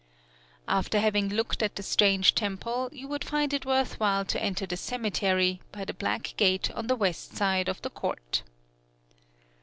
After having looked at the strange temple, you would find it worth while to enter the cemetery, by the black gate on the west side of the court.